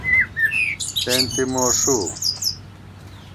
ݪېنتی موݭُو